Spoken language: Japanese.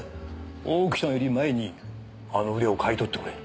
オークションより前にあの腕を買い取ってくれ。